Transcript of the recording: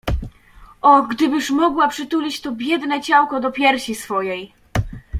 O, gdybyż mogła przytulić to biedne ciałko do piersi swojej!